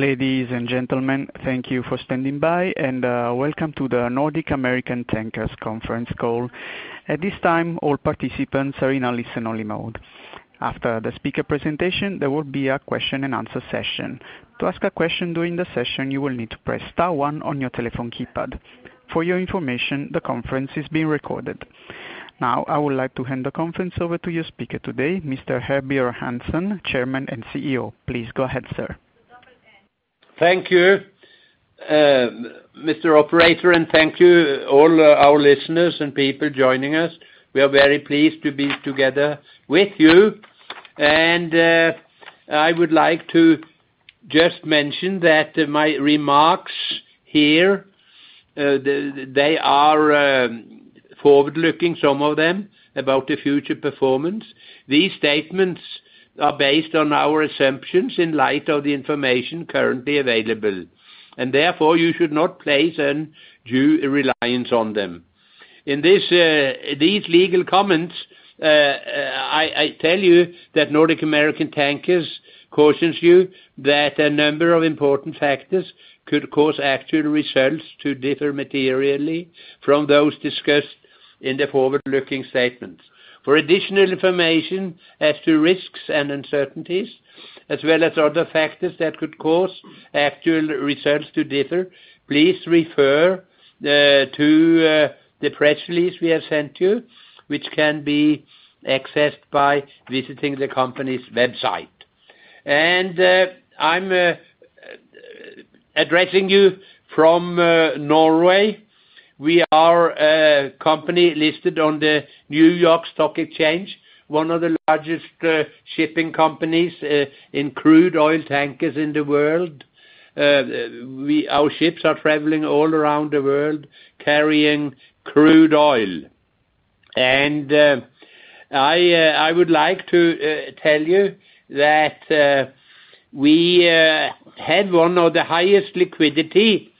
Ladies and gentlemen, thank you for standing by, and welcome to the Nordic American Tankers conference call. At this time, all participants are in listen only mode. After the speaker presentation, there will be a question-and-answer session. To ask a question during the session, you will need to press star one on your telephone keypad. For your information, the conference is being recorded. Now, I would like to hand the conference over to your speaker today, Mr. Herbjørn Hansson, Chairman and CEO. Please go ahead, sir. Thank you, Mr. Operator. Thank you all our listeners and people joining us. We are very pleased to be together with you. I would like to just mention that my remarks here, they are forward-looking, some of them, about the future performance. These statements are based on our assumptions in light of the information currently available, therefore you should not place any due reliance on them. In these legal comments, I tell you that Nordic American Tankers cautions you that a number of important factors could cause actual results to differ materially from those discussed in the forward-looking statements. For additional information as to risks and uncertainties, as well as other factors that could cause actual results to differ, please refer to the press release we have sent you, which can be accessed by visiting the company's website. I'm addressing you from Norway. We are a company listed on the New York Stock Exchange, one of the largest shipping companies in crude oil tankers in the world. Our ships are traveling all around the world carrying crude oil. I would like to tell you that we had one of the highest liquidity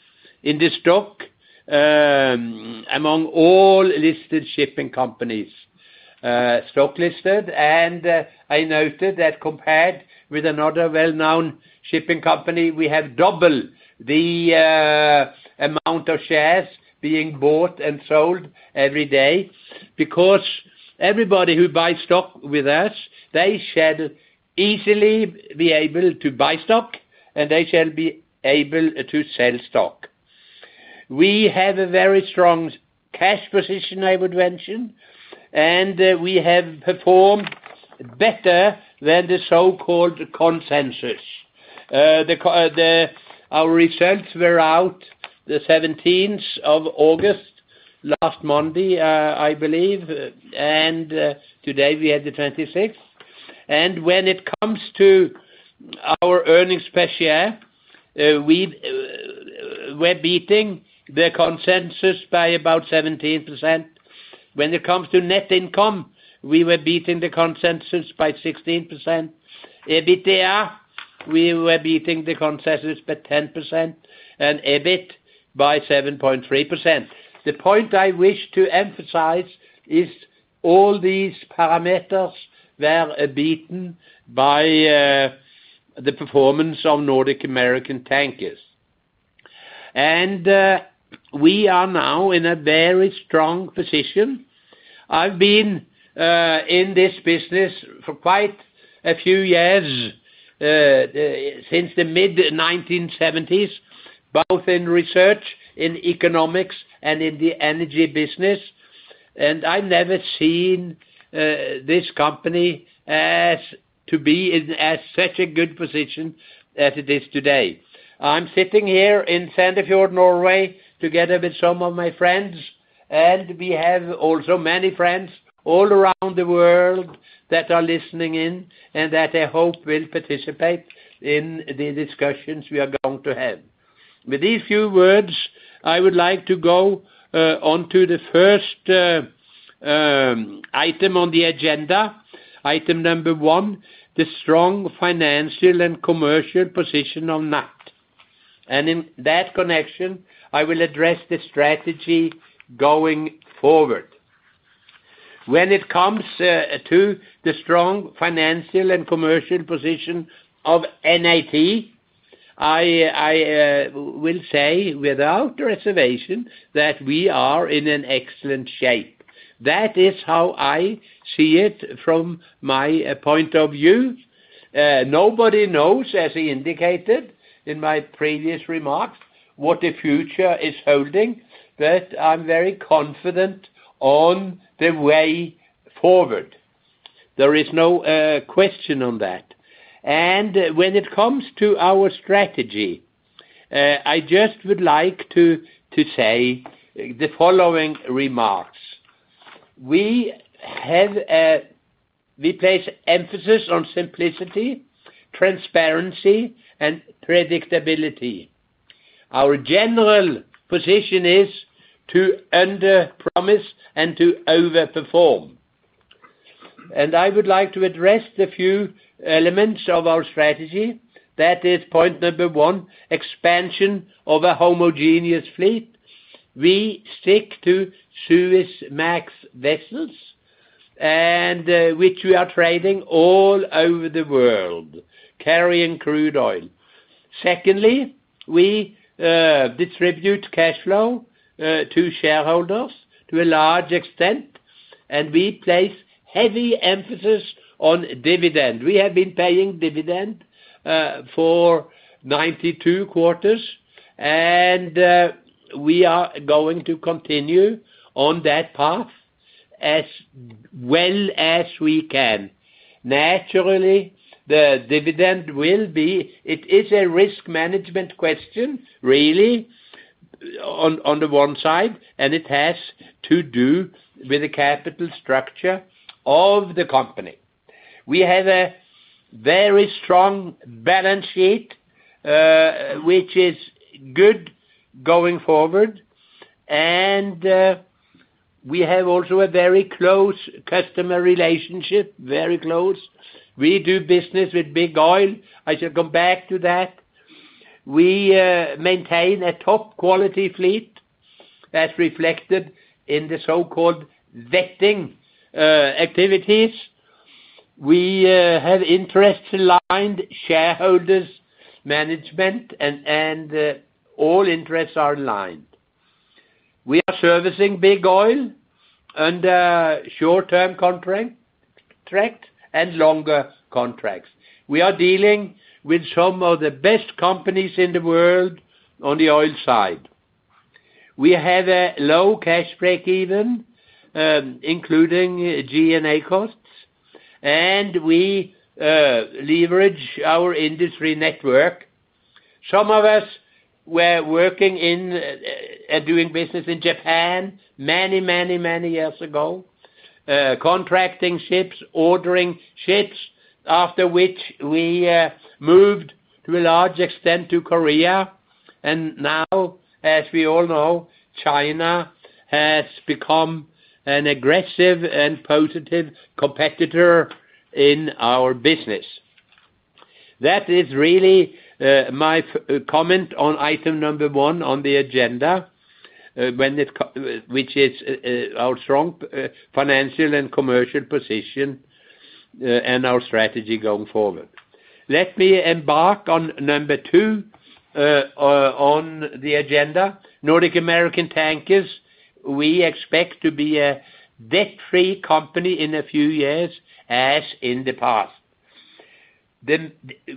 in the stock among all listed shipping companies, stock listed. I noted that compared with another well-known shipping company, we have double the amount of shares being bought and sold every day, because everybody who buys stock with us, they shall easily be able to buy stock, and they shall be able to sell stock. We have a very strong cash position, I would mention, and we have performed better than the so-called consensus. Our results were out the 17th of August, last Monday, I believe, and today we have the 26th. When it comes to our earnings per share, we're beating the consensus by about 17%. When it comes to net income, we were beating the consensus by 16%. EBITDA, we were beating the consensus by 10%, and EBIT by 7.3%. The point I wish to emphasize is all these parameters were beaten by the performance of Nordic American Tankers. We are now in a very strong position. I've been in this business for quite a few years, since the mid 1970s, both in research, in economics, and in the energy business. I've never seen this company to be in as such a good position as it is today. I'm sitting here in Sandefjord, Norway, together with some of my friends, and we have also many friends all around the world that are listening in and that I hope will participate in the discussions we are going to have. With these few words, I would like to go onto the first item on the agenda. Item number one, the strong financial and commercial position of NAT. In that connection, I will address the strategy going forward. When it comes to the strong financial and commercial position of NAT, I will say, without reservation, that we are in an excellent shape. That is how I see it from my point of view. Nobody knows, as indicated in my previous remarks, what the future is holding, but I'm very confident on the way forward. There is no question on that. When it comes to our strategy, I just would like to say the following remarks. We place emphasis on simplicity, transparency, and predictability. Our general position is to underpromise and to overperform. I would like to address a few elements of our strategy. That is point number one, expansion of a homogeneous fleet. We stick to Suezmax vessels, which we are trading all over the world, carrying crude oil. Secondly, we distribute cash flow to shareholders to a large extent, and we place heavy emphasis on dividend. We have been paying dividend for 92 quarters, and we are going to continue on that path as well as we can. Naturally, the dividend, it is a risk management question, really, on the one side, and it has to do with the capital structure of the company. We have a very strong balance sheet, which is good going forward, and we have also a very close customer relationship. Very close. We do business with Big Oil. I shall come back to that. We maintain a top-quality fleet, as reflected in the so-called vetting activities. We have interests aligned, shareholders, management, and all interests are aligned. We are servicing Big Oil under short-term contract and longer contracts. We are dealing with some of the best companies in the world on the oil side. We have a low cash break-even, including G&A costs, and we leverage our industry network. Some of us were working and doing business in Japan many years ago, contracting ships, ordering ships, after which we moved to a large extent to Korea, and now, as we all know, China has become an aggressive and positive competitor in our business. That is really my comment on item number one on the agenda, which is our strong financial and commercial position and our strategy going forward. Let me embark on number two on the agenda. Nordic American Tankers, we expect to be a debt-free company in a few years, as in the past.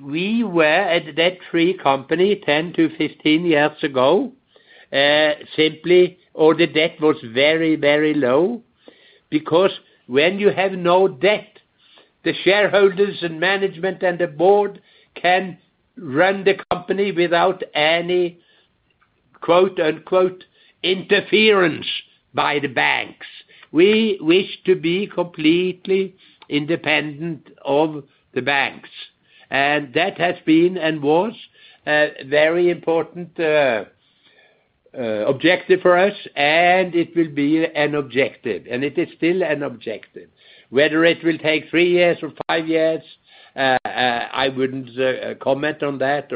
We were a debt-free company 10-15 years ago, simply all the debt was very low. When you have no debt, the shareholders and management and the board can run the company without any "interference" by the banks. We wish to be completely independent of the banks, and that has been and was a very important objective for us, and it will be an objective, and it is still an objective. Whether it will take three years or five years, I wouldn't comment on that,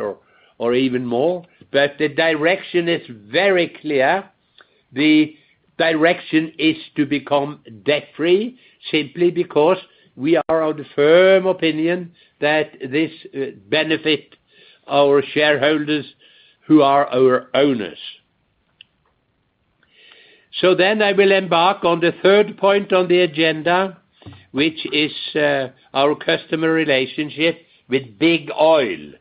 or even more. The direction is very clear. The direction is to become debt-free simply because we are of the firm opinion that this benefit our shareholders, who are our owners. I will embark on the third point on the agenda, which is our customer relationship with Big Oil.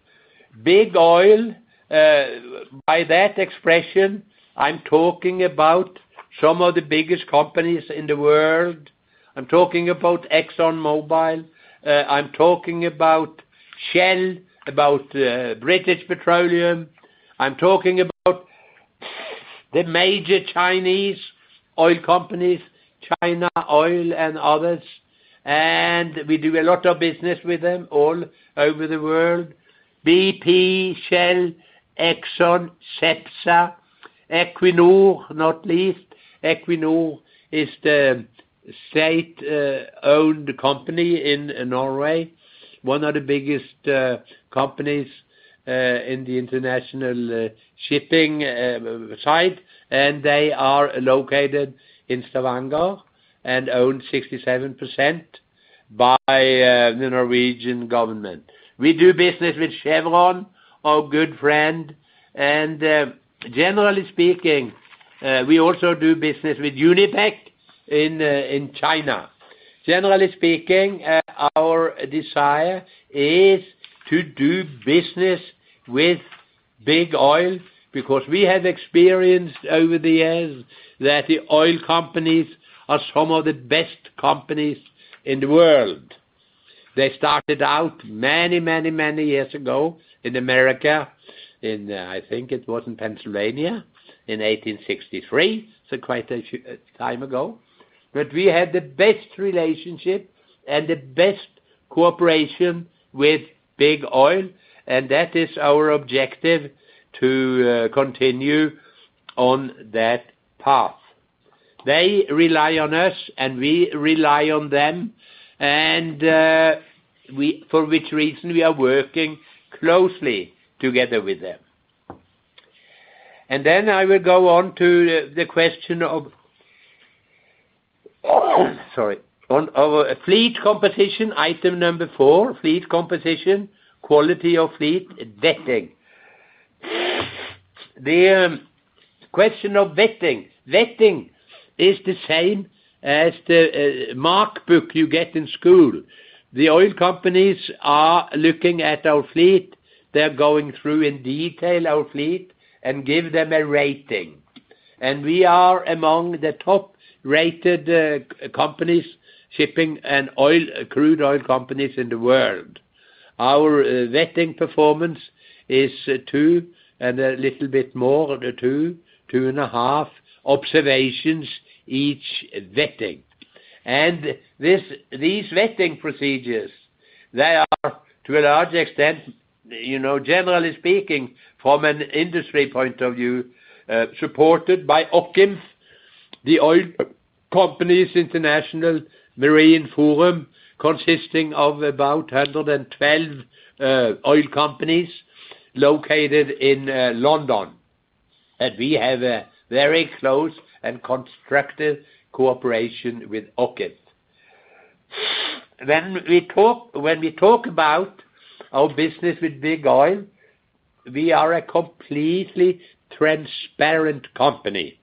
Big Oil, by that expression, I'm talking about some of the biggest companies in the world. I'm talking about ExxonMobil. I'm talking about Shell, about British Petroleum. I'm talking about the major Chinese oil companies, PetroChina and others. We do a lot of business with them all over the world. BP, Shell, Exxon, Cepsa, Equinor, not least. Equinor is the state-owned company in Norway, one of the biggest companies in the international shipping site, and they are located in Stavanger and owned 67% by the Norwegian government. We do business with Chevron, our good friend. Generally speaking, we also do business with Unipec in China. Generally speaking, our desire is to do business with Big Oil because we have experienced over the years that the oil companies are some of the best companies in the world. They started out many years ago in America in, I think it was in Pennsylvania in 1863, so quite a time ago. We had the best relationship and the best cooperation with Big Oil, and that is our objective to continue on that path. They rely on us, and we rely on them, and for which reason we are working closely together with them. Then I will go on to the question of fleet composition, item number four, fleet composition, quality of fleet, and vetting. The question of vetting. Vetting is the same as the mark book you get in school. The oil companies are looking at our fleet, they're going through in detail our fleet, and give them a rating. We are among the top-rated companies, shipping and crude oil companies in the world. Our vetting performance is 2, and a little bit more than 2.5 observations each vetting. These vetting procedures, they are to a large extent, generally speaking from an industry point of view, supported by OCIMF, the Oil Companies International Marine Forum, consisting of about 112 oil companies located in London. We have a very close and constructive cooperation with OCIMF. When we talk about our business with Big Oil, we are a completely transparent company.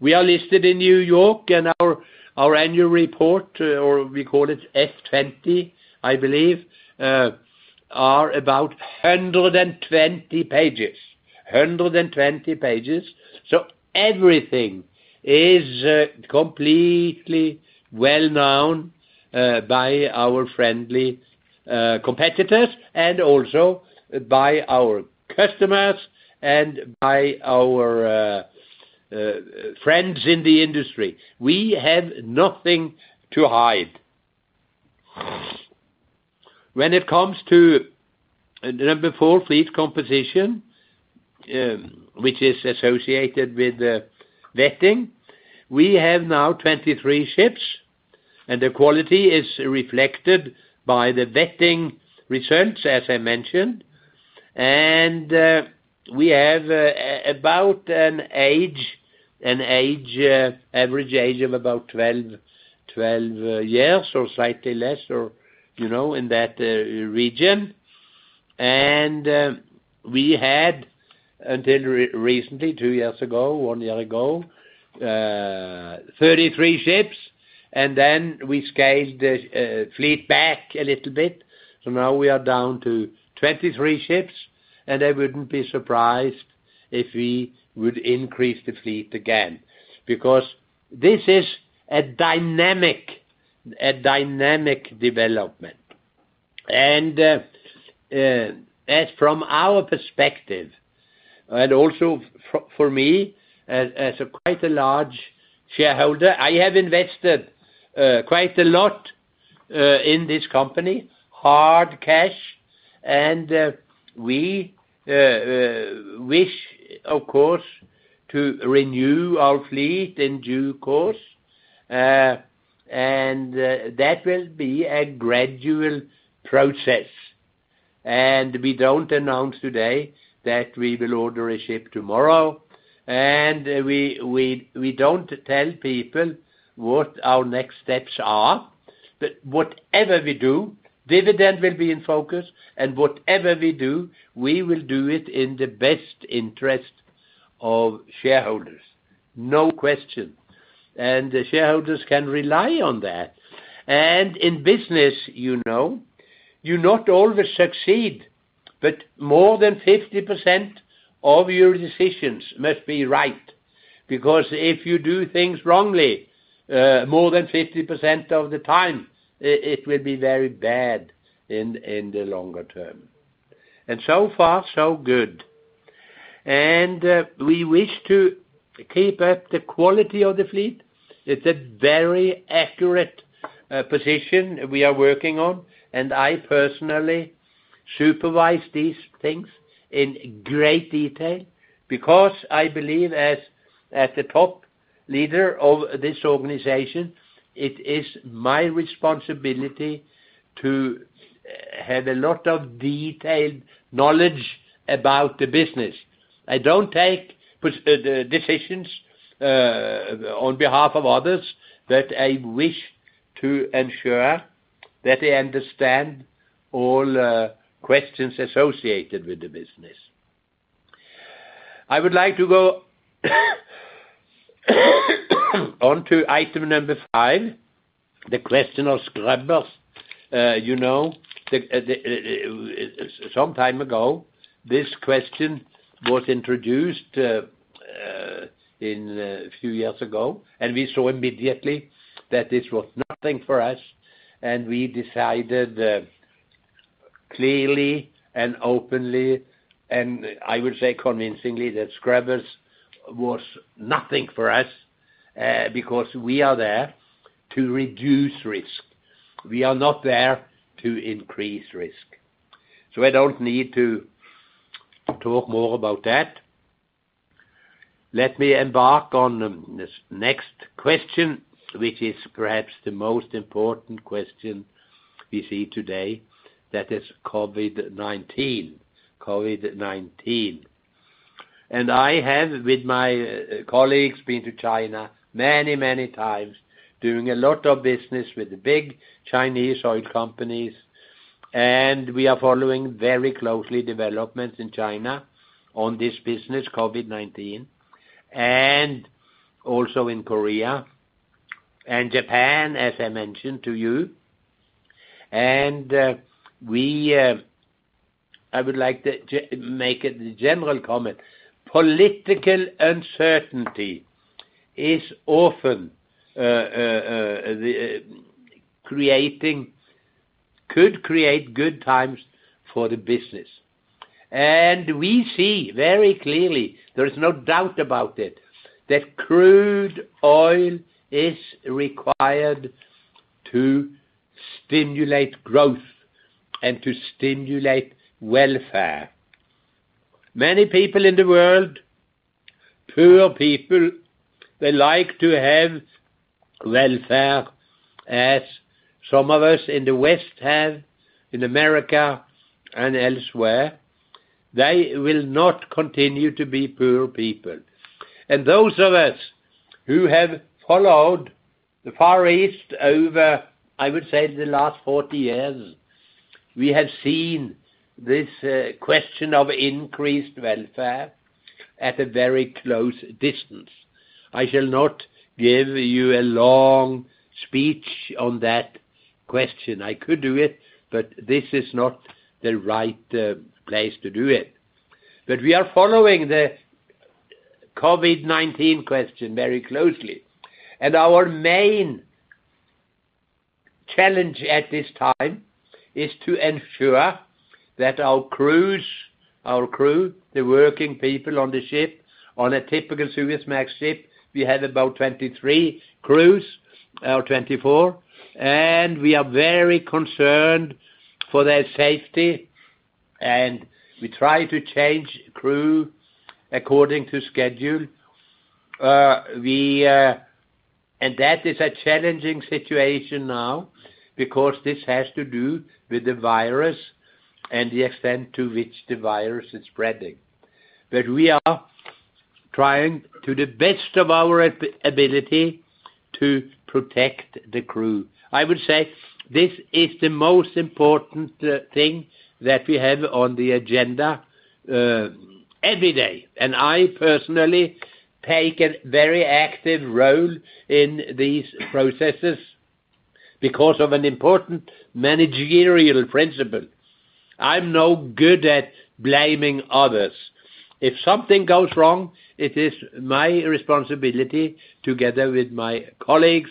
We are listed in New York and our Annual Report, or we call it 20-F, I believe, are about 120 pages. Everything is completely well-known by our friendly competitors and also by our customers and by our friends in the industry. We have nothing to hide. When it comes to number four, fleet composition, which is associated with vetting, we have now 23 ships, and the quality is reflected by the vetting results, as I mentioned. We have about an average age of about 12 years or slightly less, or in that region. We had until recently, two years ago, one year ago, 33 ships, and then we scaled the fleet back a little bit. Now we are down to 23 ships, and I wouldn't be surprised if we would increase the fleet again, because this is a dynamic development. As from our perspective, also for me, as a quite a large shareholder, I have invested quite a lot in this company, hard cash. We wish, of course, to renew our fleet in due course. That will be a gradual process. We don't announce today that we will order a ship tomorrow. We don't tell people what our next steps are. Whatever we do, dividend will be in focus. Whatever we do, we will do it in the best interest of shareholders. No question. The shareholders can rely on that. In business, you not always succeed, more than 50% of your decisions must be right. Because if you do things wrongly more than 50% of the time, it will be very bad in the longer term. So far so good. We wish to keep up the quality of the fleet. It's a very accurate position we are working on, and I personally supervise these things in great detail because I believe as the top leader of this organization, it is my responsibility to have a lot of detailed knowledge about the business. I don't take decisions on behalf of others, but I wish to ensure that I understand all questions associated with the business. I would like to go onto item number five, the question of scrubbers. Some time ago, this question was introduced a few years ago, and we saw immediately that this was nothing for us, and we decided clearly and openly, and I would say convincingly, that scrubbers was nothing for us, because we are there to reduce risk. We are not there to increase risk. I don't need to talk more about that. Let me embark on this next question, which is perhaps the most important question we see today, that is COVID-19. I have, with my colleagues, been to China many, many times doing a lot of business with the big Chinese oil companies, and we are following very closely developments in China on this business, COVID-19, and also in Korea and Japan, as I mentioned to you. I would like to make a general comment. Political uncertainty is often could create good times for the business. We see very clearly, there is no doubt about it, that crude oil is required to stimulate growth and to stimulate welfare. Many people in the world, poor people, they like to have welfare, as some of us in the West have, in America and elsewhere. They will not continue to be poor people. Those of us who have followed the Far East over, I would say, the last 40 years, we have seen this question of increased welfare at a very close distance. I shall not give you a long speech on that question. I could do it, but this is not the right place to do it. We are following the COVID-19 question very closely. Our main challenge at this time is to ensure that our crews, the working people on the ship. On a typical Suezmax ship, we have about 23 crews, or 24, and we are very concerned for their safety, and we try to change crew according to schedule. That is a challenging situation now because this has to do with the virus and the extent to which the virus is spreading. We are trying to the best of our ability to protect the crew. I would say this is the most important thing that we have on the agenda every day. I personally take a very active role in these processes because of an important managerial principle. I'm no good at blaming others. If something goes wrong, it is my responsibility together with my colleagues,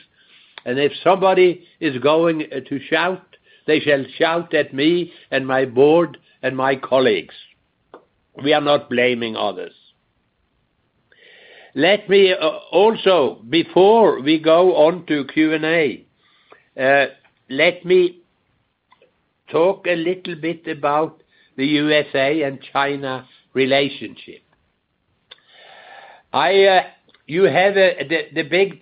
and if somebody is going to shout, they shall shout at me and my board and my colleagues. We are not blaming others. Also, before we go on to Q&A, let me talk a little bit about the USA and China relationship. You have the big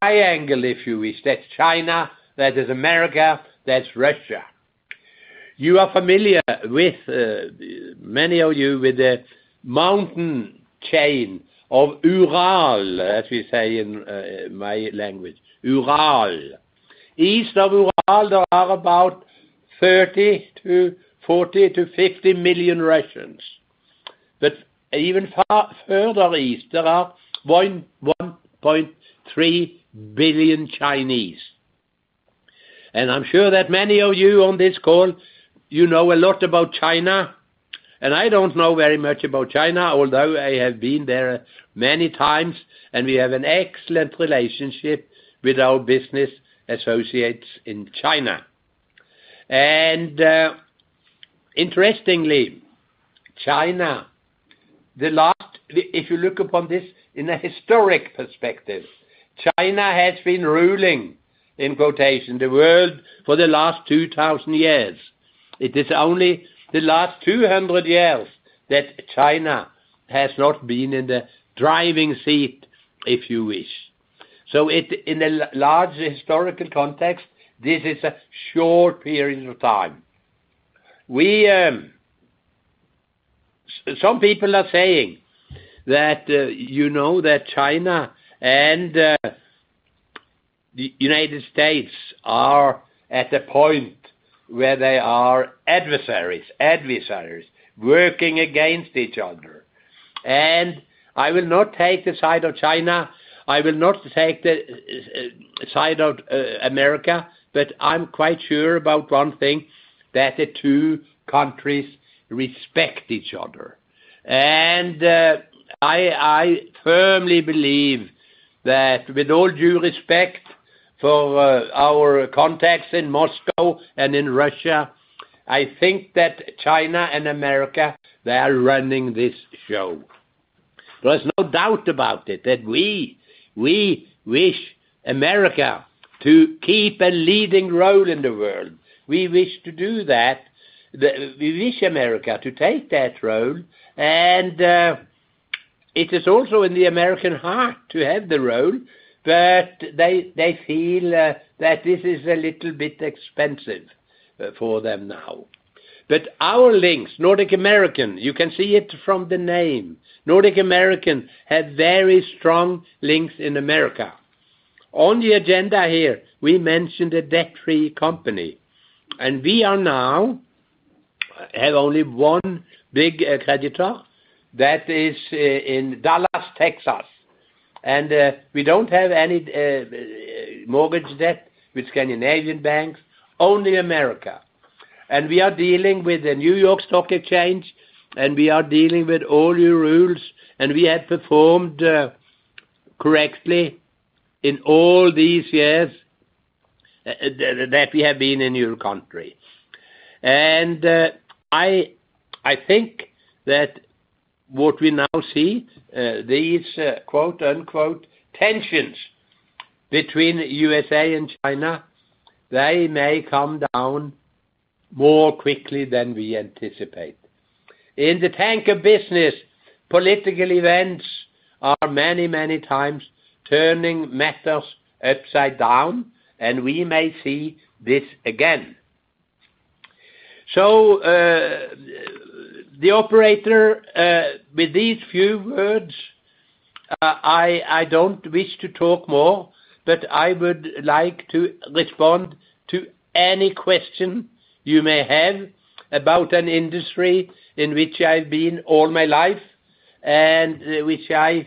triangle, if you wish. That's China, that is America, that's Russia. You are familiar, many of you, with the mountain chain of Ural, as we say in my language. Ural. East of Ural, there are about 30 to 40 to 50 million Russians. Even further east, there are 1.3 billion Chinese. I'm sure that many of you on this call, you know a lot about China, and I don't know very much about China, although I have been there many times, and we have an excellent relationship with our business associates in China. Interestingly, China, if you look upon this in a historic perspective, China has been ruling, in quotation, the world for the last 2,000 years. It is only the last 200 years that China has not been in the driving seat, if you wish. In a large historical context, this is a short period of time. Some people are saying that China and the United States are at the point where they are adversaries working against each other. I will not take the side of China, I will not take the side of America, but I'm quite sure about one thing, that the two countries respect each other. I firmly believe that with all due respect for our contacts in Moscow and in Russia, I think that China and America, they are running this show. There's no doubt about it that we wish America to keep a leading role in the world. We wish America to take that role, and it is also in the American heart to have the role, but they feel that this is a little bit expensive for them now. Our links, Nordic American, you can see it from the name. Nordic American have very strong links in America. On the agenda here, we mentioned a debt-free company. We now have only one big creditor that is in Dallas, Texas. We don't have any mortgage debt with Scandinavian banks, only America. We are dealing with the New York Stock Exchange, and we are dealing with all your rules, and we have performed correctly in all these years that we have been in your country. I think that what we now see, these "tensions" between U.S.A. and China, they may come down more quickly than we anticipate. In the tanker business, political events are many, many times turning matters upside down, and we may see this again. The operator, with these few words, I don't wish to talk more, but I would like to respond to any question you may have about an industry in which I've been all my life and which I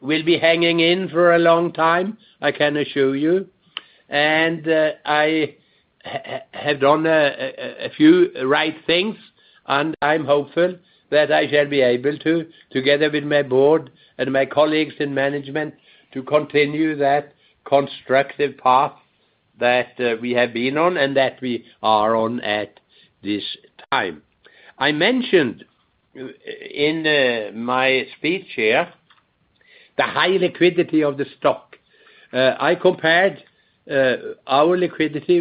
will be hanging in for a long time, I can assure you. I have done a few right things, and I'm hopeful that I shall be able to, together with my board and my colleagues in management, to continue that constructive path that we have been on and that we are on at this time. I mentioned in my speech here the high liquidity of the stock. I compared our liquidity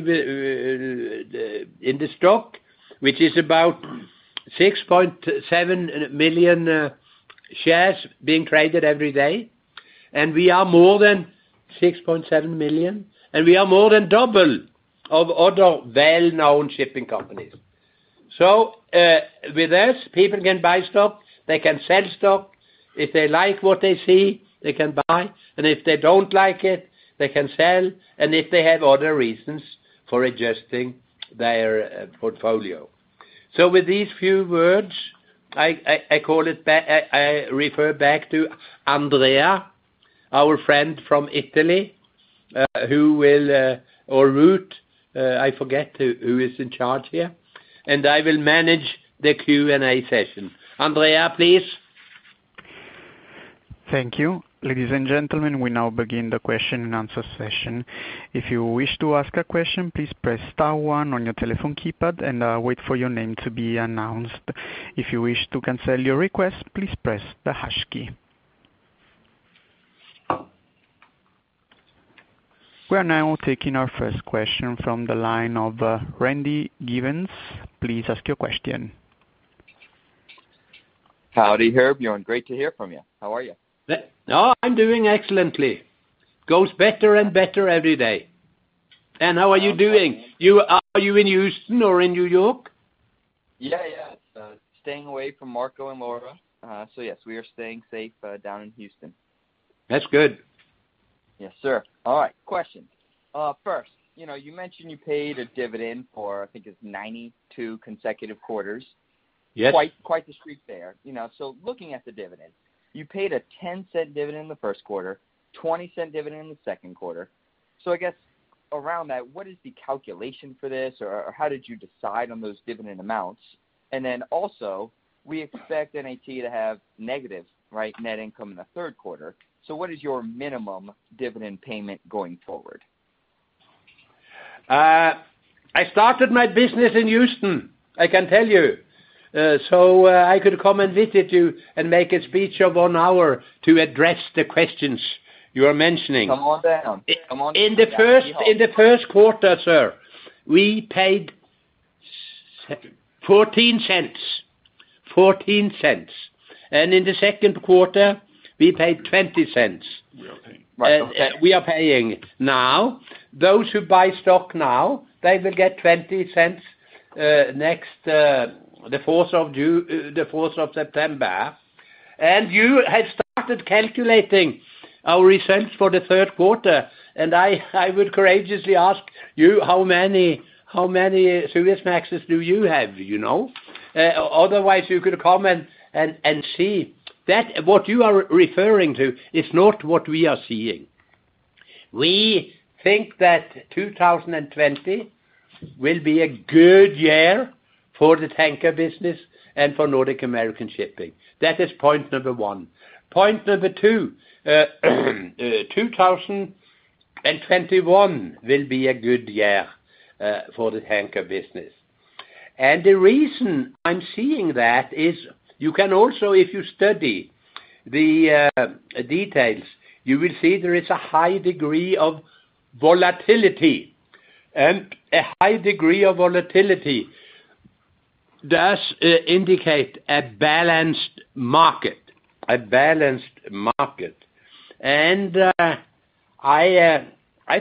in the stock, which is about $6.7 million shares being traded every day, and we are more than $6.7 million, and we are more than double of other well-known shipping companies. With us, people can buy stock, they can sell stock. If they like what they see, they can buy, and if they don't like it, they can sell, and if they have other reasons for adjusting their portfolio. With these few words, I refer back to Andrea, our friend from Italy, or Ruth, I forget who is in charge here, and I will manage the Q&A session. Andrea, please. Thank you. Ladies and gentlemen, we now begin the question-and-answer session. If you wish to ask a question, please press star one on your telephone keypad and wait for your name to be announced. If you wish to cancel your request, please press the hash key. We are now taking our first question from the line of Randy Giveans. Please ask your question. Howdy, Herb. Great to hear from you. How are you? Oh, I'm doing excellently. Goes better and better every day. How are you doing? Are you in Houston or in New York? Yeah. Staying away from Marco and Laura. Yes, we are staying safe down in Houston. That's good. Yes, sir. All right. Question. First, you mentioned you paid a dividend for, I think it's 92 consecutive quarters. Yes. Quite the streak there. Looking at the dividend, you paid a $0.10 dividend the first quarter, $0.20 dividend the second quarter. I guess around that, what is the calculation for this, or how did you decide on those dividend amounts? We expect NAT to have negative net income in the third quarter. What is your minimum dividend payment going forward? I started my business in Houston, I can tell you. I could come and visit you and make a speech of one hour to address the questions you are mentioning. Come on down. In the first quarter, sir, we paid $0.14. In the second quarter, we paid $0.20. Right, okay. We are paying now. Those who buy stock now, they will get $0.20 the 4th of September. You have started calculating our results for the third quarter, I would courageously ask you how many Suezmaxes do you have? Otherwise, you could come and see. That what you are referring to is not what we are seeing. We think that 2020 will be a good year for the tanker business and for Nordic American Tankers. That is point number one. Point number two, 2021 will be a good year for the tanker business. The reason I'm seeing that is you can also, if you study the details, you will see there is a high degree of volatility. A high degree of volatility does indicate a balanced market. I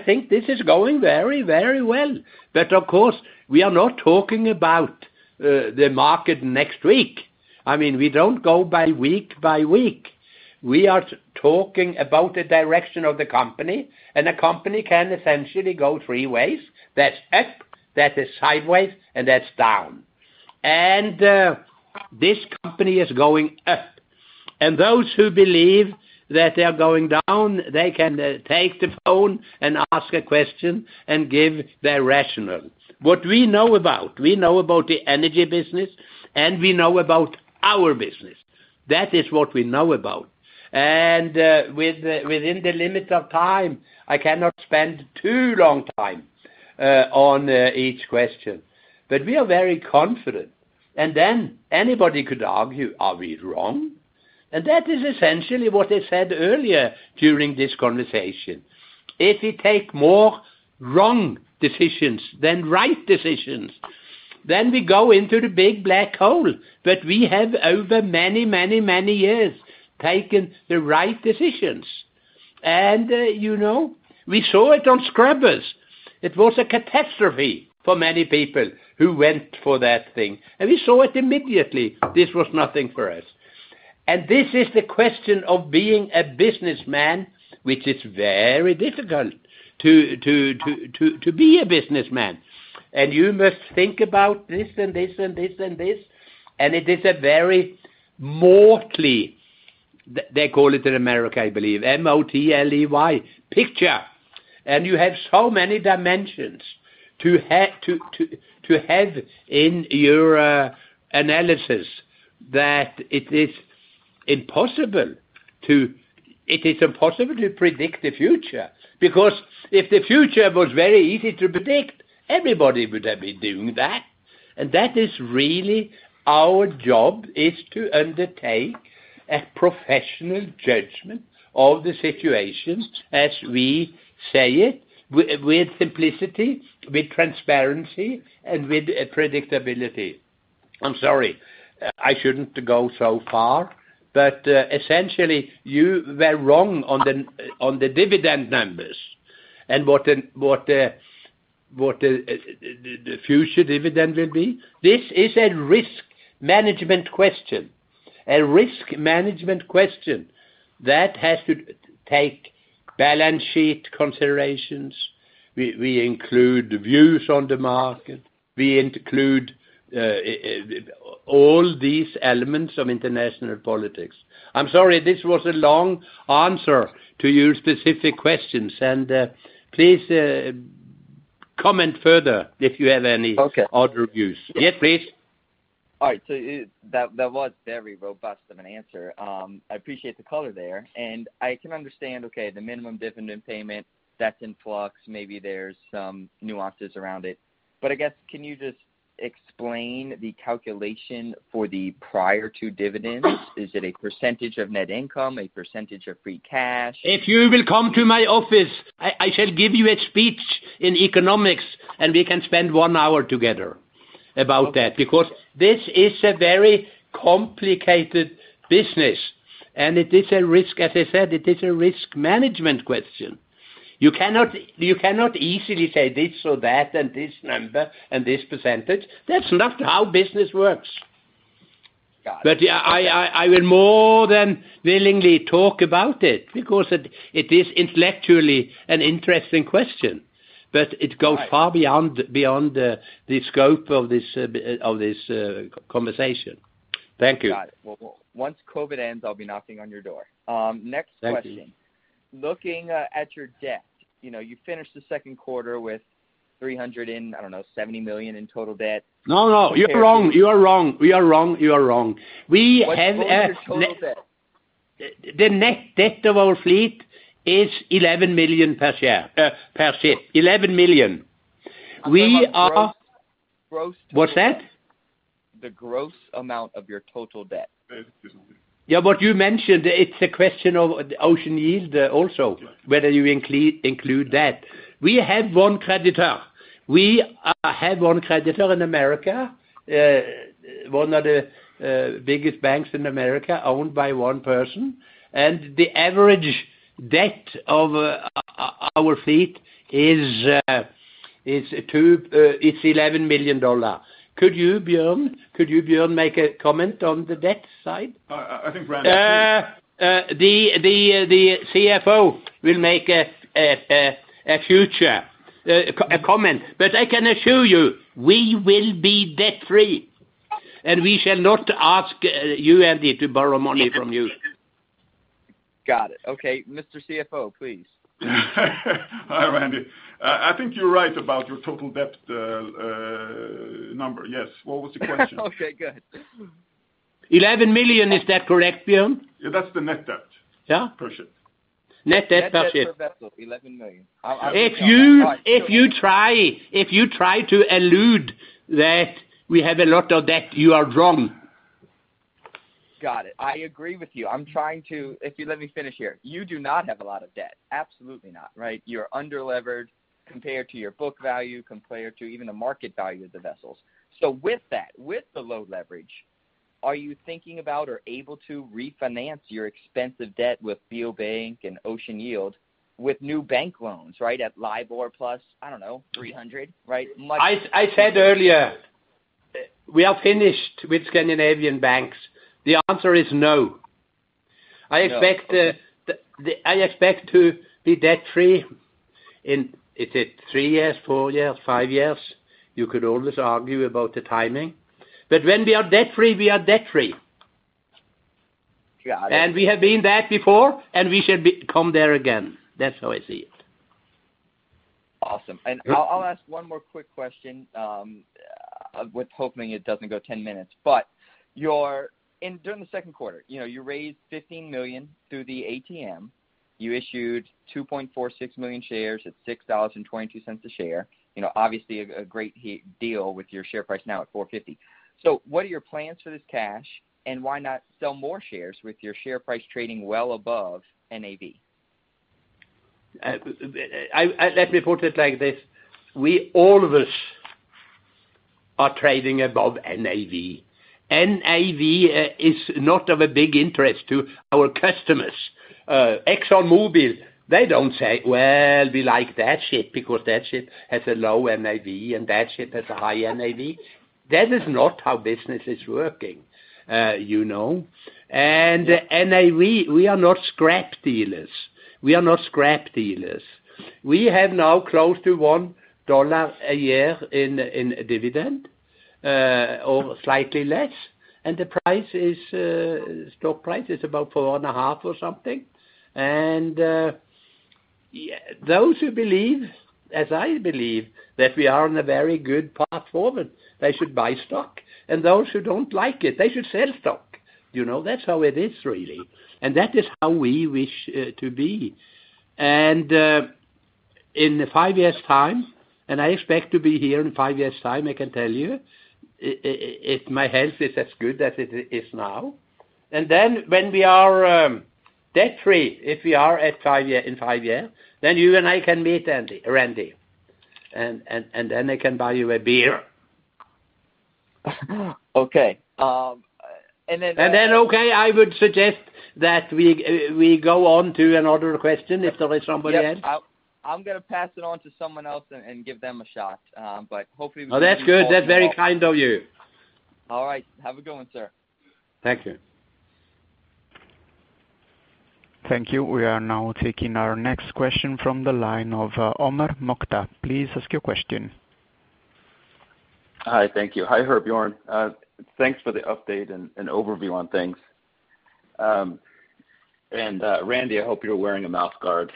think this is going very well. Of course, we are not talking about the market next week. We don't go by week by week. We are talking about the direction of the company, and the company can essentially go three ways. That's up, that is sideways, and that's down. This company is going up. Those who believe that they are going down, they can take the phone and ask a question and give their rationale. What we know about, we know about the energy business, and we know about our business. That is what we know about. Within the limits of time, I cannot spend too long time on each question, but we are very confident. Anybody could argue, are we wrong? That is essentially what I said earlier during this conversation. If we take more wrong decisions than right decisions, then we go into the big black hole. We have, over many years, taken the right decisions. We saw it on scrubbers. It was a catastrophe for many people who went for that thing, and we saw it immediately. This was nothing for us. This is the question of being a businessman, which is very difficult to be a businessman. You must think about this and this. It is a very motley, they call it in America, I believe, M-O-T-L-E-Y picture. You have so many dimensions to have in your analysis that it is impossible to predict the future, because if the future was very easy to predict, everybody would have been doing that. That is really our job, is to undertake a professional judgment of the situations as we say it, with simplicity, with transparency, and with predictability. I'm sorry, I shouldn't go so far, but essentially you were wrong on the dividend numbers and what the future dividend will be. This is a risk management question. A risk management question that has to take balance sheet considerations. We include views on the market. We include all these elements of international politics. I'm sorry, this was a long answer to your specific questions, and please comment further if you have any— Okay. —other views. Yes, please. All right. That was very robust of an answer. I appreciate the color there, I can understand, okay, the minimum dividend payment, that's in flux, maybe there's some nuances around it. I guess, can you just explain the calculation for the prior two dividends? Is it a percentage of net income, a percentage of free cash? If you will come to my office, I shall give you a speech in economics, and we can spend one hour together about that, because this is a very complicated business, and it is a risk, as I said, it is a risk management question. You cannot easily say this or that, and this number, and this percentage. That's not how business works. Got it. I will more than willingly talk about it because it is intellectually an interesting question, but it goes far beyond the scope of this conversation. Thank you. Got it. Well, once COVID ends, I'll be knocking on your door. Thank you. Next question. Looking at your debt, you finished the second quarter with $370 million in total debt. No, you are wrong. We are wrong. You are wrong. What's your total debt? The net debt of our fleet is $11 million per ship. $11 million. How about gross? What's that? The gross amount of your total debt. But you mentioned it's a question of the Ocean Yield also, whether you include that. We have one creditor. We have one creditor in America, one of the biggest banks in America, owned by one person. The average debt of our fleet is $11 million. Could you, Bjørn, make a comment on the debt side? I think Randy— The CFO will make a future comment. I can assure you we will be debt-free, and we shall not ask you, Randy, to borrow money from you. Got it. Okay. Mr. CFO, please. Hi, Randy. I think you're right about your total debt number. Yes. What was the question? Okay, good. $11 million, is that correct, Bjørn? Yeah, that's the net debt. Yeah. Per ship. Net debt per ship Net debt per vessel, $11 million. If you try to allude that we have a lot of debt, you are wrong. Got it. I agree with you. If you let me finish here, you do not have a lot of debt. Absolutely not, right. You're under-levered compared to your book value, compared to even the market value of the vessels. With that, with the low leverage, are you thinking about or able to refinance your expensive debt with Beal Bank and Ocean Yield with new bank loans, right at LIBOR plus, I don't know, 300, right? I said earlier, we are finished with Scandinavian banks. The answer is no. No. I expect to be debt-free in, is it three years, four years, five years? You could always argue about the timing, but when we are debt free, we are debt free. Got it. We have been that before, and we should come there again. That's how I see it. Awesome. I'll ask one more quick question, with hoping it doesn't go 10-minutes. During the second quarter, you raised $15 million through the ATM. You issued 2.46 million shares at $6.22 a share. Obviously, a great deal with your share price now at $4.50. What are your plans for this cash, and why not sell more shares with your share price trading well above NAV? Let me put it like this. We, all of us, are trading above NAV. NAV is not of a big interest to our customers. ExxonMobil, they don't say, "Well, we like that ship because that ship has a low NAV and that ship has a high NAV." That is not how business is working. NAV, we are not scrap dealers. We are not scrap dealers. We have now close to $1 a year in dividend, or slightly less. The stock price is about four and a half or something. Those who believe, as I believe, that we are on a very good platform, they should buy stock. Those who don't like it, they should sell stock. That's how it is, really. That is how we wish to be. In five years' time, and I expect to be here in five years' time, I can tell you, if my health is as good as it is now, and then when we are debt free, if we are in five years, then you and I can meet, Randy, and then I can buy you a beer. Okay. Okay, I would suggest that we go on to another question if there is somebody else. Yep. I'm going to pass it on to someone else and give them a shot. Oh, that's good. That's very kind of you. All right. Have a good one, sir. Thank you. Thank you. We are now taking our next question from the line of Omar Nokta. Please ask your question. Hi. Thank you. Hi, Herbjørn. Thanks for the update and overview on things. Randy, I hope you're wearing a mouth guard.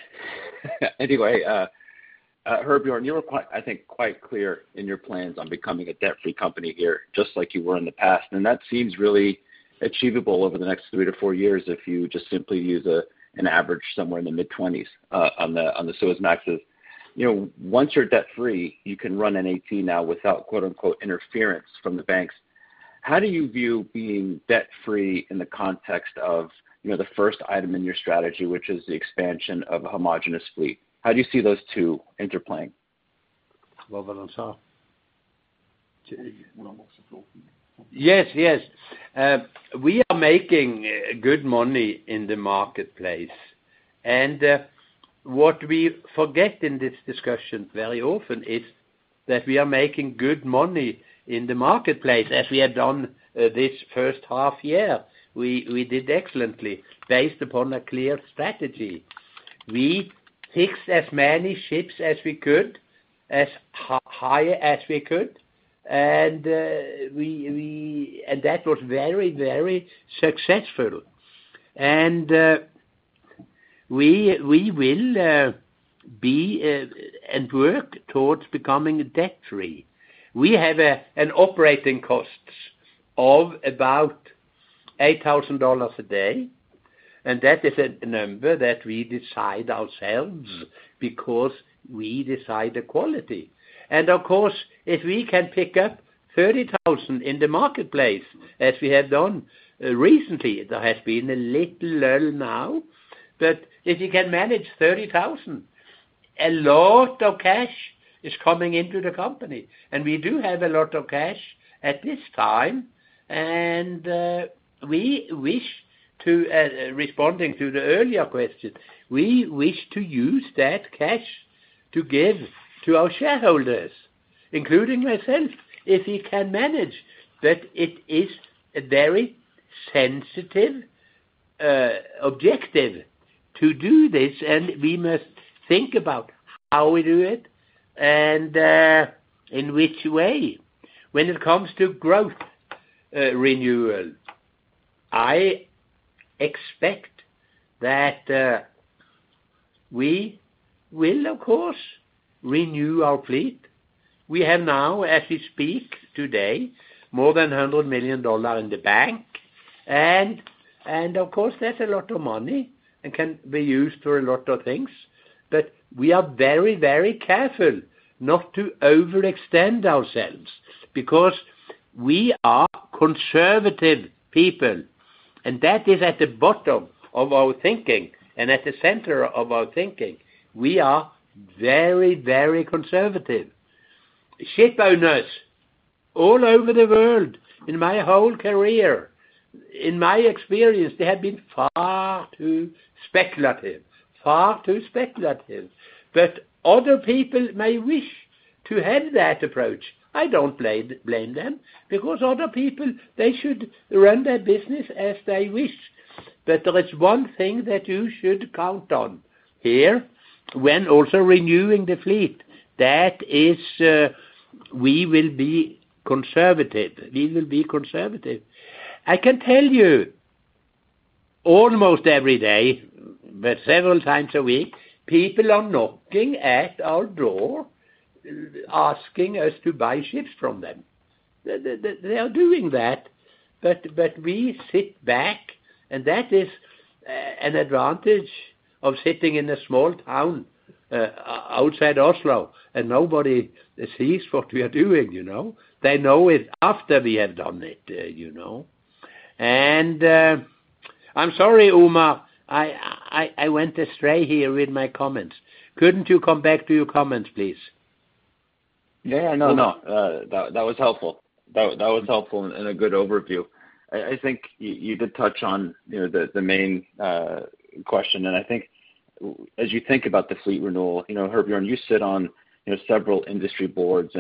Anyway, Herbjørn, you were, I think, quite clear in your plans on becoming a debt-free company here, just like you were in the past, and that seems really achievable over the next three to four years if you just simply use an average somewhere in the mid-20s on the Suezmaxes. Once you're debt free, you can run an ATM now without quote unquote, "interference from the banks." How do you view being debt free in the context of the first item in your strategy, which is the expansion of a homogenous fleet? How do you see those two interplaying? Yes. We are making good money in the marketplace. What we forget in this discussion very often is that we are making good money in the marketplace, as we have done this first half year. We did excellently based upon a clear strategy. We fixed as many ships as we could, as high as we could, and that was very successful. We will be, and work towards becoming debt free. We have an operating cost of about $8,000 a day, and that is a number that we decide ourselves because we decide the quality. Of course, if we can pick up $30,000 in the marketplace, as we have done recently, there has been a little lull now, but if you can manage $30,000, a lot of cash is coming into the company, and we do have a lot of cash at this time. Responding to the earlier question, we wish to use that cash to give to our shareholders, including myself, if we can manage. It is a very sensitive objective to do this, and we must think about how we do it and in which way. When it comes to growth renewal, I expect that we will, of course, renew our fleet. We have now, as we speak today, more than $100 million in the bank, and of course, that's a lot of money. It can be used for a lot of things, but we are very careful not to overextend ourselves because we are conservative people, and that is at the bottom of our thinking and at the center of our thinking. We are very conservative. Ship owners all over the world, in my whole career, in my experience, they have been far too speculative. Other people may wish to have that approach. I don't blame them, because other people, they should run their business as they wish. There is one thing that you should count on here when also renewing the fleet, that is we will be conservative. I can tell you almost every day, but several times a week, people are knocking at our door asking us to buy ships from them. They are doing that, but we sit back, and that is an advantage of sitting in a small town outside Oslo and nobody sees what we are doing. They know it after we have done it. I'm sorry, Omar, I went astray here with my comments. Couldn't you come back to your comments, please? Yeah. That was helpful. That was helpful and a good overview. I think you did touch on the main question. I think as you think about the fleet renewal, Herbjørn, you sit on several industry boards.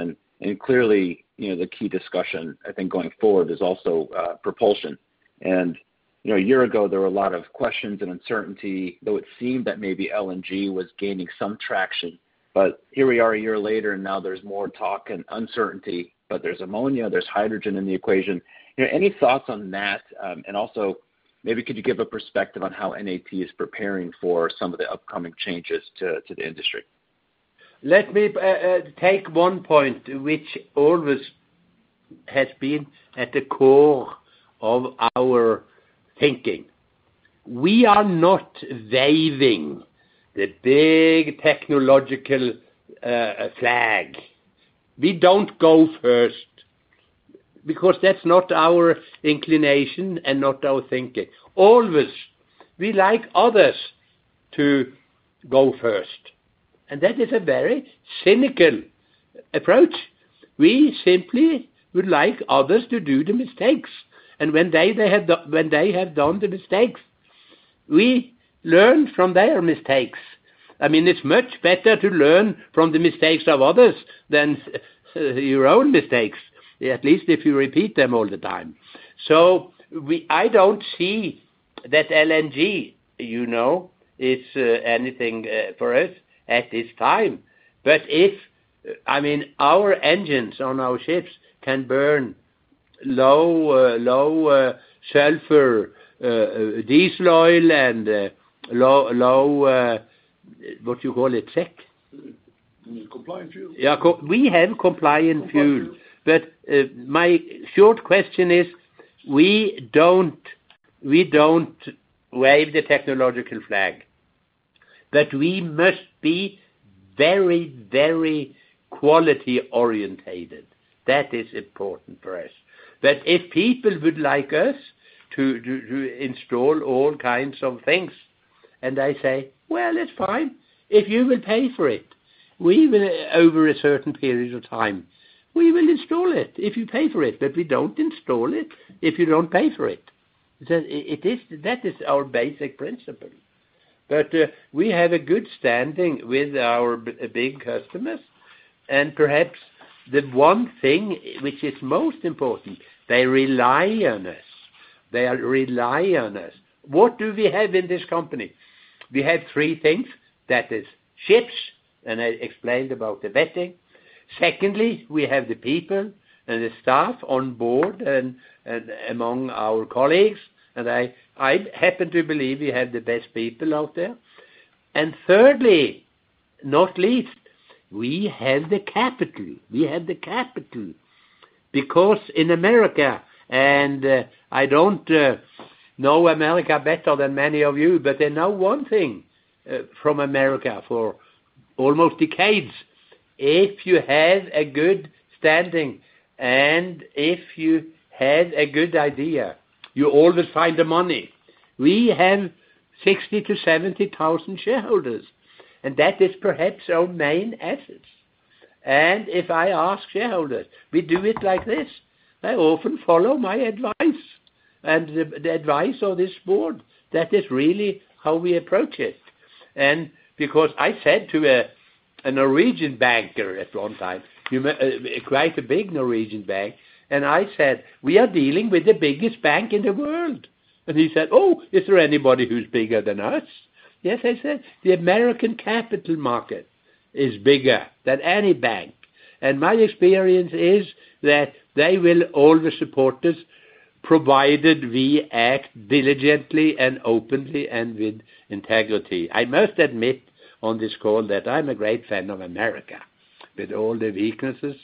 Clearly, the key discussion I think going forward is also propulsion. A year ago, there were a lot of questions and uncertainty, though it seemed that maybe LNG was gaining some traction. Here we are a year later. Now there's more talk and uncertainty. There's ammonia, there's hydrogen in the equation. Any thoughts on that? Also, maybe could you give a perspective on how NAT is preparing for some of the upcoming changes to the industry? Let me take one point which always has been at the core of our thinking. We are not waving the big technological flag. We don't go first because that's not our inclination and not our thinking. Always, we like others to go first, and that is a very cynical approach. We simply would like others to do the mistakes, and when they have done the mistakes, we learn from their mistakes. It's much better to learn from the mistakes of others than your own mistakes, at least if you repeat them all the time. I don't see that LNG is anything for us at this time. Our engines on our ships can burn low sulfur diesel oil and low, what you call it? Compliant fuel. Yeah, we have compliant fuel. My short question is, we don't wave the technological flag, but we must be very quality-orientated. That is important for us. If people would like us to install all kinds of things, and I say, "Well, it's fine. If you will pay for it, over a certain period of time, we will install it if you pay for it, but we don't install it if you don't pay for it." That is our basic principle. We have a good standing with our big customers, and perhaps the one thing which is most important, they rely on us. What do we have in this company? We have three things. That is ships, and I explained about the vetting. Secondly, we have the people and the staff on board and among our colleagues, and I happen to believe we have the best people out there. Thirdly, not least, we have the capital. In America, and I don't know America better than many of you, they know one thing from America for almost decades. If you have a good standing and if you have a good idea, you always find the money. We have 60,000 to 70,000 shareholders, that is perhaps our main assets. If I ask shareholders, we do it like this, they often follow my advice and the advice of this board. That is really how we approach it. Because I said to a Norwegian banker at one time, quite a big Norwegian bank, I said, "We are dealing with the biggest bank in the world." He said, "Oh, is there anybody who's bigger than us?" "Yes," I said, "The American capital market is bigger than any bank." My experience is that they will always support us provided we act diligently and openly and with integrity. I must admit on this call that I'm a great fan of America, with all the weaknesses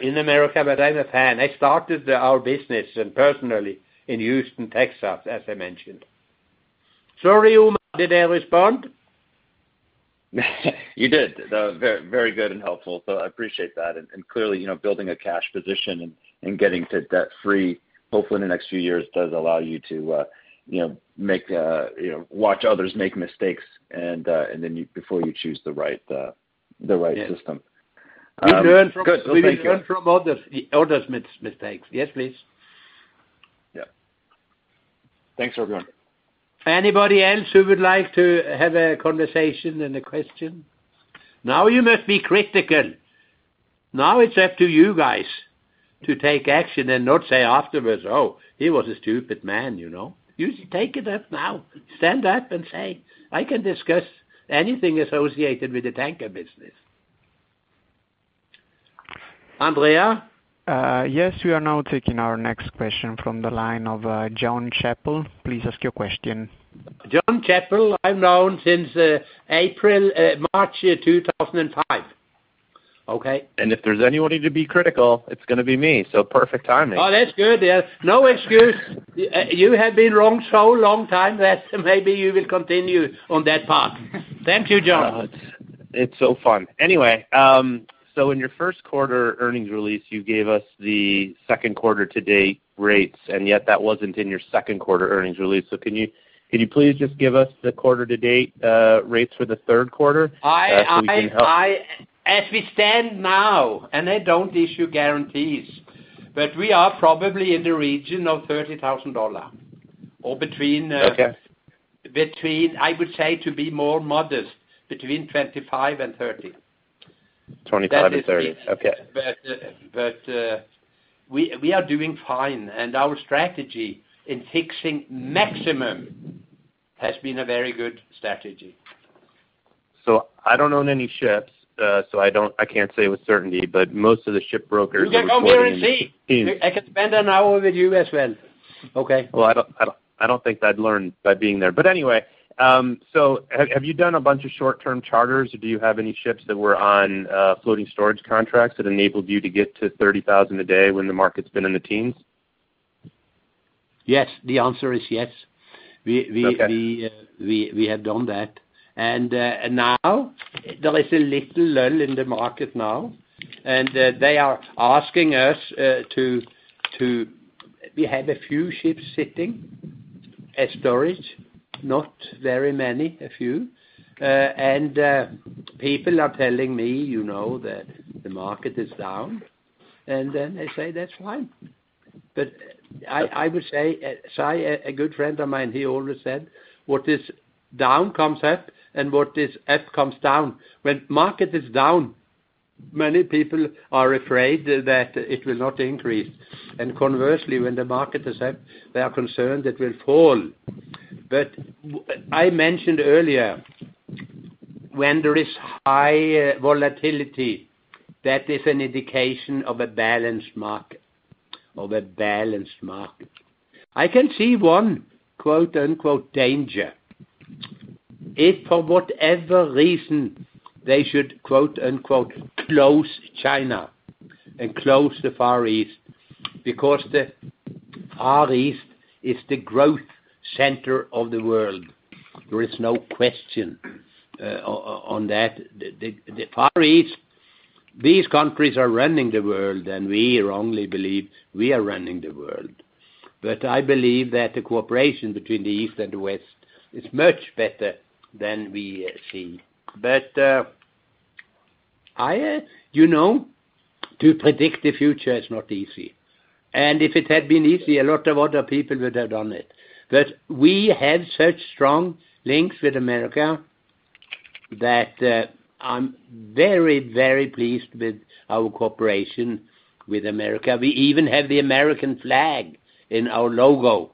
in America, but I'm a fan. I started our business and personally in Houston, Texas, as I mentioned. Sorry, Omar, did I respond? You did. Very good and helpful. I appreciate that, and clearly building a cash position and getting to debt-free, hopefully in the next few years, does allow you to watch others make mistakes before you choose the right system. Yes. Good. Thank you. We learn from others' mistakes. Yes, please. Yeah. Thanks, everyone. Anybody else who would like to have a conversation and a question? Now you must be critical. Now it's up to you guys to take action and not say afterwards, "Oh, he was a stupid man." You take it up now. Stand up and say, "I can discuss anything associated with the tanker business." Andrea? Yes, we are now taking our next question from the line of Jon Chappell. Please ask your question. Jon Chappell, I've known since March 2005. Okay. If there's anybody to be critical, it's going to be me. Perfect timing. Oh, that's good. No excuse. You have been wrong so long time that maybe you will continue on that path. Thank you, Jon. Oh, it's so fun. Anyway, in your first quarter earnings release, you gave us the second quarter to date rates, and yet that wasn't in your second quarter earnings release. Can you please just give us the quarter to date rates for the third quarter? As we stand now, and I don't issue guarantees, but we are probably in the region of $30,000. Okay. Between, I would say to be more modest, between $25,000 and $30,000. 25 and 30. Okay. We are doing fine, and our strategy in fixing maximum has been a very good strategy. I don't own any ships, so I can't say with certainty, but most of the ship brokers are reporting. You can come here and see. I can spend an hour with you as well. Okay. Well, I don't think I'd learn by being there. Anyway, have you done a bunch of short-term charters? Do you have any ships that were on floating storage contracts that enabled you to get to $30,000 a day when the market's been in the teens? Yes. The answer is yes. Okay. We have done that, and now there is a little lull in the market now, and they are asking us. We have a few ships sitting as storage, not very many, a few. People are telling me that the market is down, and then I say that's fine. I would say, Shai, a good friend of mine, he always said, "What is down comes up, and what is up comes down." When market is down, many people are afraid that it will not increase, and conversely, when the market is up, they are concerned it will fall. I mentioned earlier, when there is high volatility, that is an indication of a balanced market. I can see one, quote-unquote, danger. If, for whatever reason, they should, quote-unquote, close China and close the Far East, because the Far East is the growth center of the world. There is no question on that. The Far East, these countries are running the world, and we wrongly believe we are running the world. I believe that the cooperation between the East and West is much better than we see. To predict the future is not easy, and if it had been easy, a lot of other people would have done it. We have such strong links with America that I'm very, very pleased with our cooperation with America. We even have the American flag in our logo.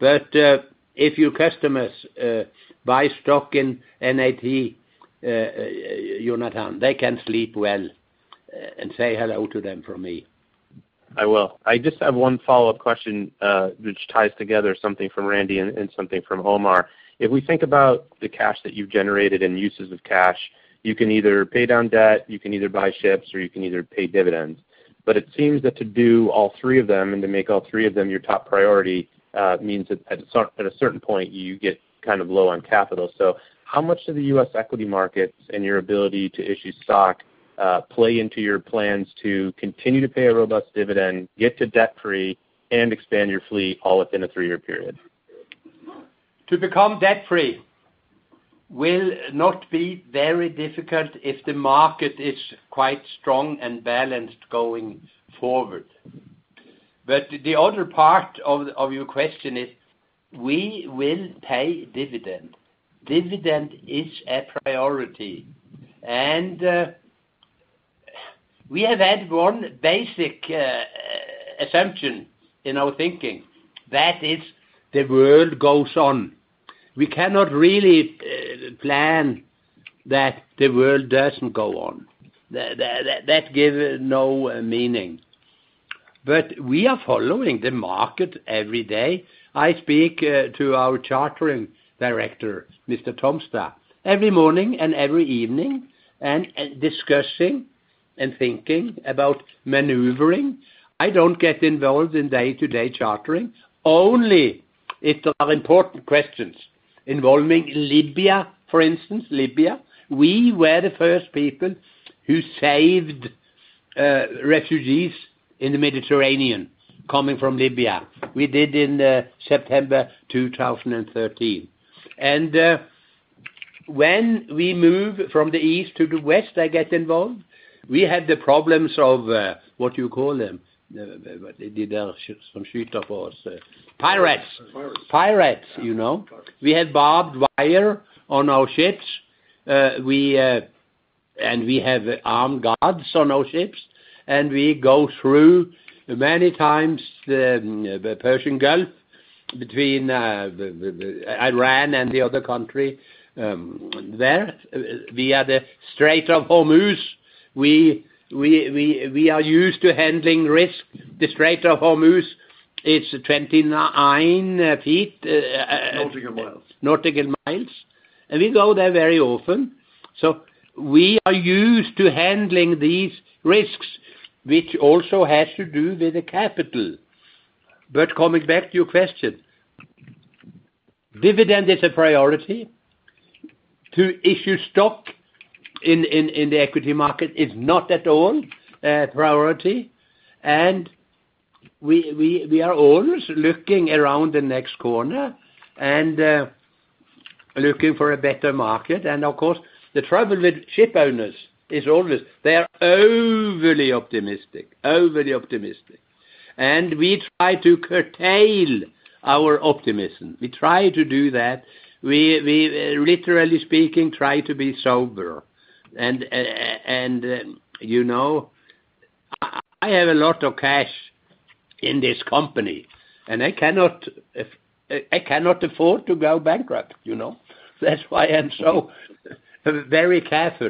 If your customers buy stock in NAT, they can sleep well, and say hello to them for me. I will. I just have one follow-up question, which ties together something from Randy and something from Omar. It seems that to do all three of them and to make all three of them your top priority, means at a certain point, you get low on capital. How much do the U.S. equity markets and your ability to issue stock play into your plans to continue to pay a robust dividend, get to debt-free, and expand your fleet all within a three-year period? To become debt-free will not be very difficult if the market is quite strong and balanced going forward. The other part of your question is we will pay dividend. Dividend is a priority, and we have had one basic assumption in our thinking. That is the world goes on. We cannot really plan that the world doesn't go on. That give no meaning. We are following the market every day. I speak to our Chartering Director, Mr. Tomstad, every morning and every evening, and discussing and thinking about maneuvering. I don't get involved in day-to-day chartering, only if there are important questions involving Libya, for instance. Libya, we were the first people who saved refugees in the Mediterranean coming from Libya. We did in September 2013. When we move from the east to the west, I get involved. We had the problems of, what you call them? Pirates. We have barbed wire on our ships, and we have armed guards on our ships, and we go through many times the Persian Gulf between Iran and the other country there, via the Strait of Hormuz. We are used to handling risk. The Strait of Hormuz, it's 29 nautical miles. We go there very often. We are used to handling these risks, which also has to do with the capital. Coming back to your question, dividend is a priority. To issue stock in the equity market is not at all a priority, and we are always looking around the next corner and looking for a better market. Of course, the trouble with ship owners is always they are overly optimistic. We try to curtail our optimism. We try to do that. We literally speaking, try to be sober and I have a lot of cash in this company, and I cannot afford to go bankrupt. That's why I'm so very careful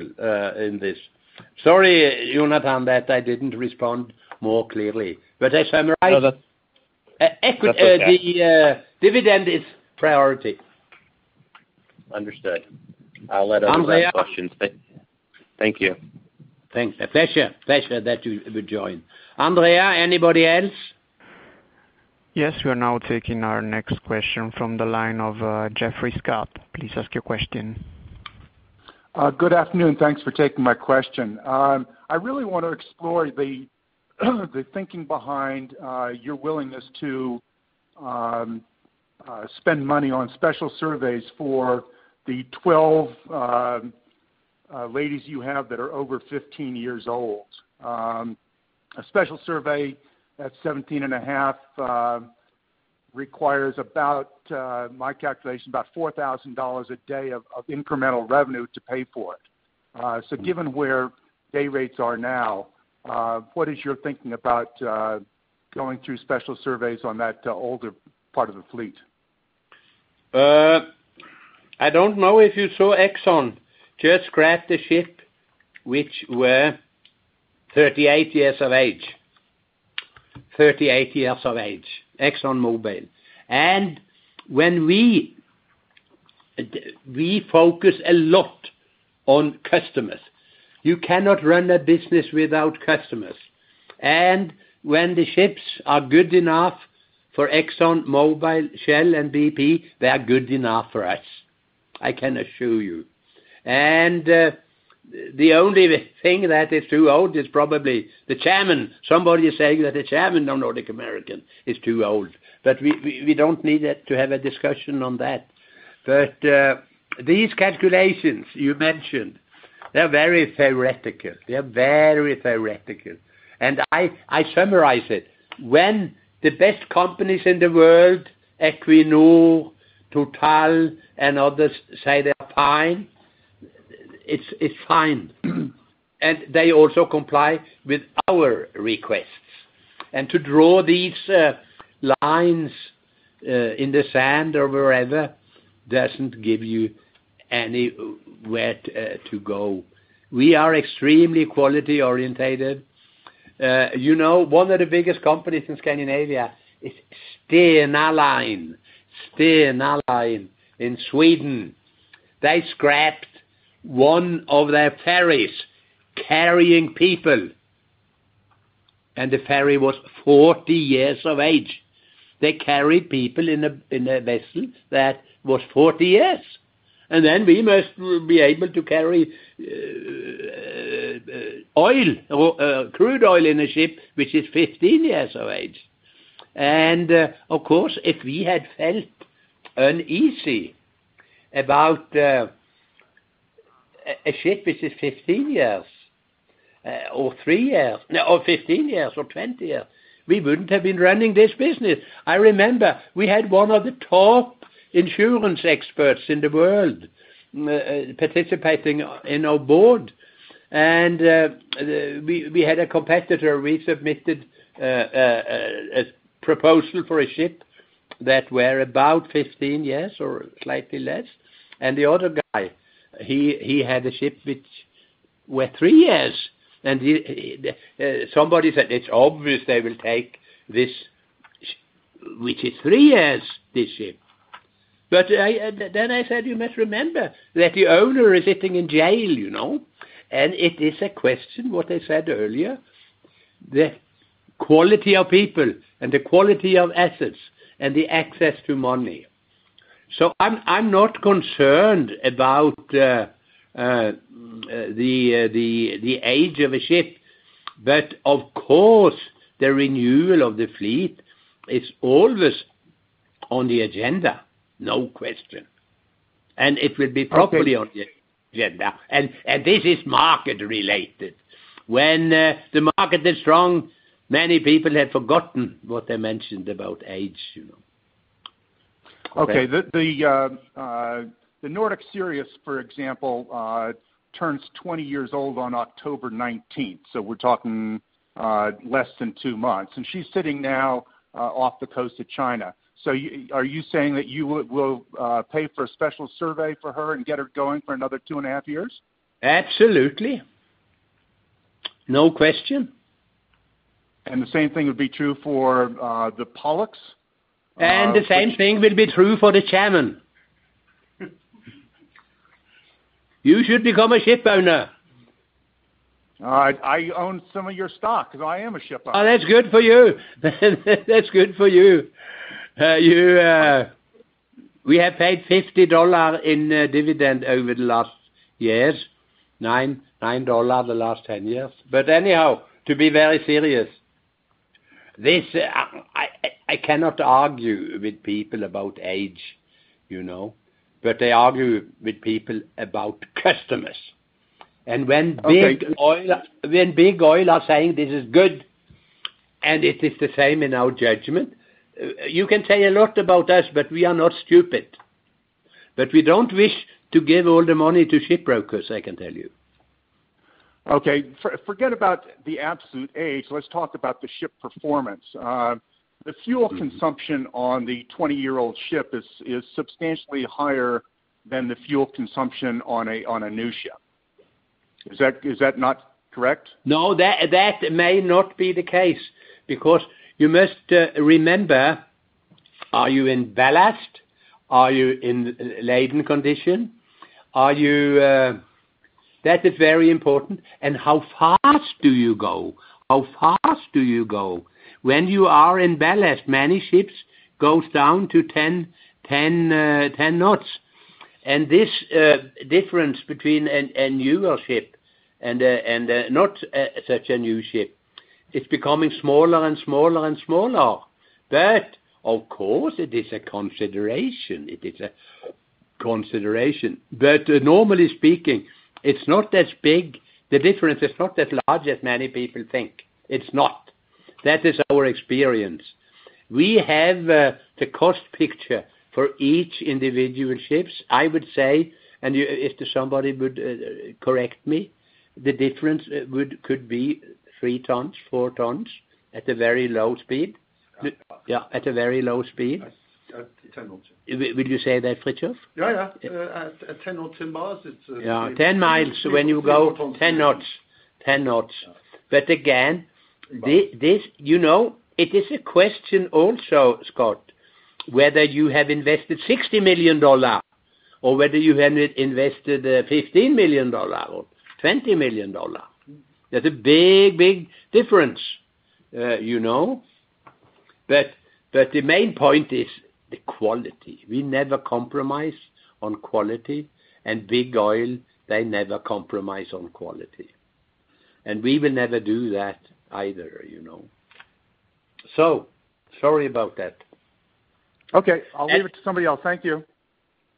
in this. Sorry, Jonathan, that I didn't respond more clearly. No, that's okay, The dividend is priority. Understood. I'll let others have questions. Andrea. Thank you. Thanks. A pleasure. Pleasure that you could join. Andrea, anybody else? We are now taking our next question from the line of Jeffrey Scott. Please ask your question. Good afternoon. Thanks for taking my question. I really want to explore the thinking behind your willingness to spend money on special surveys for the 12 ladies you have that are over 15 years old. A special survey at 17 and a half requires, about my calculation, about $4,000 a day of incremental revenue to pay for it. Given where day rates are now, what is your thinking about going through special surveys on that older part of the fleet? I don't know if you saw Exxon just scrapped the ship, which were 38 years of age, ExxonMobil. When we focus a lot on customers, you cannot run a business without customers. When the ships are good enough for ExxonMobil, Shell, and BP, they are good enough for us, I can assure you. The only thing that is too old is probably the Chairman. Somebody is saying that the Chairman of Nordic American is too old, we don't need to have a discussion on that. These calculations you mentioned, they're very theoretical. I summarize it, when the best companies in the world, Equinor, Total, and others say they are fine, it's fine. They also comply with our requests. To draw these lines in the sand or wherever, doesn't give you anywhere to go. We are extremely quality-orientated. One of the biggest companies in Scandinavia is Stena Line in Sweden. They scrapped one of their ferries carrying people, and the ferry was 40 years of age. They carried people in a vessel that was 40 years. We must be able to carry crude oil in a ship, which is 15 years of age. If we had felt uneasy about a ship which is 15 years or three years, or 15 years or 20 years, we wouldn't have been running this business. I remember we had one of the top insurance experts in the world participating in our board. We had a competitor, we submitted a proposal for a ship that were about 15 years or slightly less. The other guy, he had a ship which were three years, and somebody said, "It's obvious they will take this, which is three years, this ship." I said, "You must remember that the owner is sitting in jail." It is a question, what I said earlier, the quality of people and the quality of assets and the access to money. I'm not concerned about the age of a ship, but of course, the renewal of the fleet is always on the agenda. No question. It will be properly on the agenda. This is market related. When the market is strong, many people have forgotten what I mentioned about age. The Nordic Sirius, for example, turns 20 years old on October 19th, so we're talking less than two months, and she's sitting now off the coast of China. Are you saying that you will pay for a special survey for her and get her going for another two and a half years? Absolutely. No question. The same thing would be true for the Pollux? The same thing will be true for the Shannon. You should become a ship owner. All right. I own some of your stock, so I am a ship owner. That's good for you. That's good for you. We have paid $50 in dividend over the last years, $9 the last 10 years. Anyhow, to be very serious, I cannot argue with people about age, but I argue with people about customers. Okay. When Big Oil are saying this is good, and it is the same in our judgment, you can say a lot about us, but we are not stupid. We don't wish to give all the money to ship brokers, I can tell you. Okay. Forget about the absolute age. Let's talk about the ship performance. The fuel consumption on the 20-year-old ship is substantially higher than the fuel consumption on a new ship. Is that not correct? That may not be the case because you must remember, are you in ballast? Are you in laden condition? That is very important, how fast do you go? How fast do you go? When you are in ballast, many ships go down to 10 knots. This difference between a newer ship and a not such a new ship, it's becoming smaller and smaller. Of course, it is a consideration. Normally speaking, it's not that big. The difference is not that large as many people think. It's not. That is our experience. We have the cost picture for each individual ship. I would say, and if somebody would correct me, the difference could be three tons, four tons at a very low speed. Yeah, at a very low speed. At 10 knots. Would you say that, [Scott]? Yeah. At 10 knots, 10 miles. Yeah, 10 miles. When you go 10 knots. Again, it is a question also, Scott, whether you have invested $60 million or whether you have invested $15 million or $20 million. That's a big difference. The main point is the quality. We never compromise on quality, and Big Oil, they never compromise on quality. We will never do that either. Sorry about that. Okay. I'll leave it to somebody else. Thank you.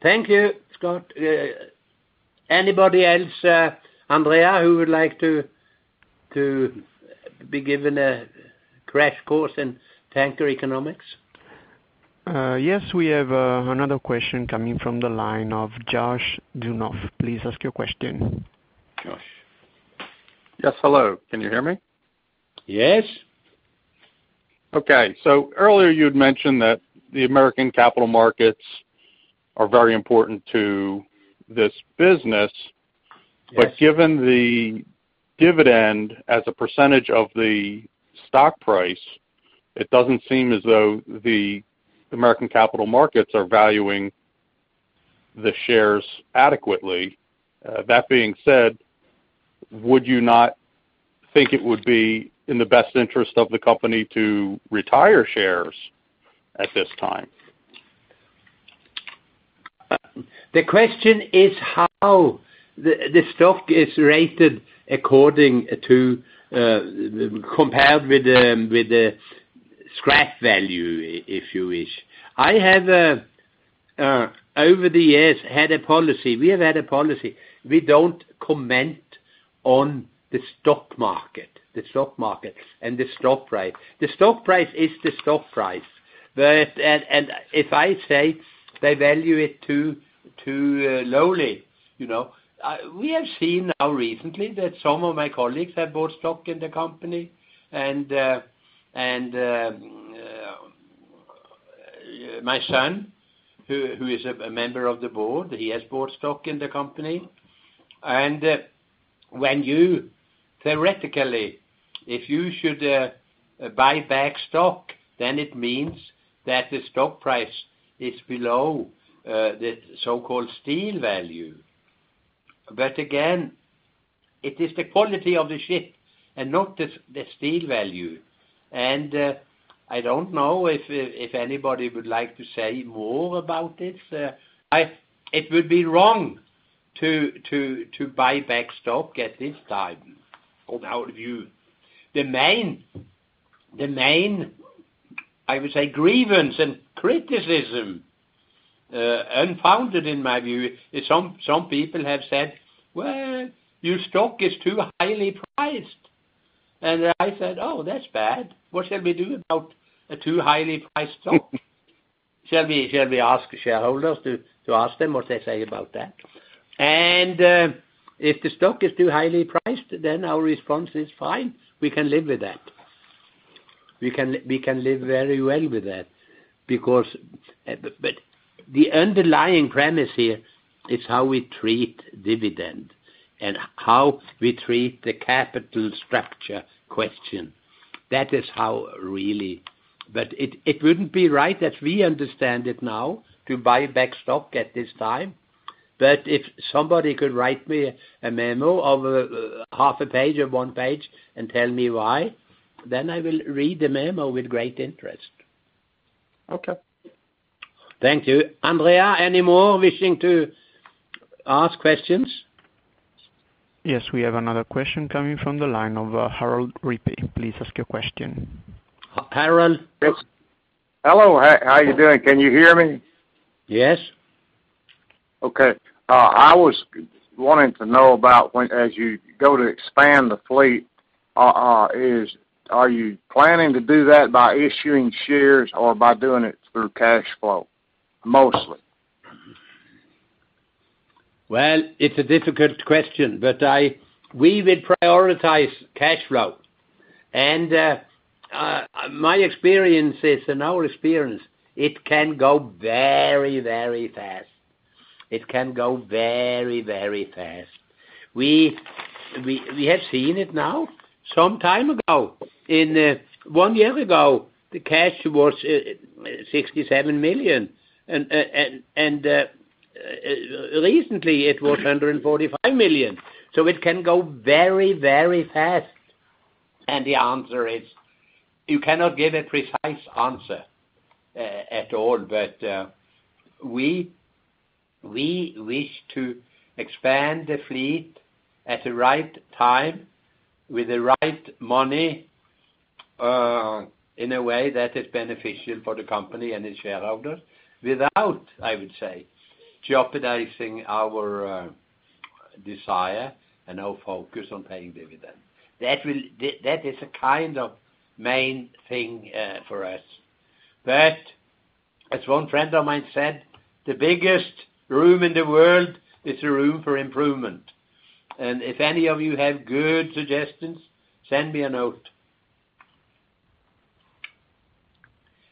Thank you, Scott. Anybody else, Andrea, who would like to be given a crash course in tanker economics? Yes, we have another question coming from the line of [Joshua Dunoff]. Please ask your question. Josh. Yes, hello. Can you hear me? Yes. Okay. Earlier you had mentioned that the American capital markets are very important to this business. Yes. Given the dividend as a percentage of the stock price, it doesn't seem as though the American capital markets are valuing the shares adequately. That being said, would you not think it would be in the best interest of the company to retire shares at this time? The question is how the stock is rated compared with the scrap value, if you wish. I have, over the years, had a policy, we have had a policy, we don't comment on the stock market and the stock price. The stock price is the stock price. If I say they value it too lowly. We have seen now recently that some of my colleagues have bought stock in the company, and my son, who is a member of the board, he has bought stock in the company. Theoretically, if you should buy back stock, then it means that the stock price is below the so-called steel value. Again, it is the quality of the ship and not the steel value. I don't know if anybody would like to say more about this. It would be wrong to buy back stock at this time, from our view. The main, I would say, grievance and criticism, unfounded in my view, is some people have said, "Well, your stock is too highly priced." I said, "Oh, that's bad. What shall we do about a too highly priced stock? Shall we ask shareholders to ask them what they say about that?" If the stock is too highly priced, then our response is fine. We can live with that. We can live very well with that. The underlying premise here is how we treat dividend and how we treat the capital structure question. It wouldn't be right, as we understand it now, to buy back stock at this time. If somebody could write me a memo of a half a page or one page and tell me why, then I will read the memo with great interest. Okay. Thank you. Andrea, any more wishing to ask questions? Yes, we have another question coming from the line of [Harold Rippy]. Please ask your question. Harold. Hello, how are you doing? Can you hear me? Yes. Okay. I was wanting to know about as you go to expand the fleet, are you planning to do that by issuing shares or by doing it through cash flow, mostly? Well, it's a difficult question, we will prioritize cash flow. My experience is, and our experience, it can go very, very fast. We have seen it now. Some time ago, one year ago, the cash was $67 million, and recently it was $145 million. It can go very, very fast. The answer is, you cannot give a precise answer at all, but we wish to expand the fleet at the right time, with the right money, in a way that is beneficial for the company and its shareholders, without, I would say, jeopardizing our desire and our focus on paying dividend. That is a kind of main thing for us. As one friend of mine said, "The biggest room in the world is a room for improvement." If any of you have good suggestions, send me a note.